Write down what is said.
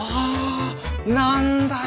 何だよ！